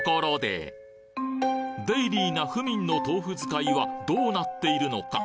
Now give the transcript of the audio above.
デイリーな府民の豆腐使いはどうなっているのか？